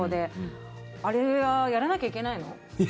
あれはやらなきゃいけないの？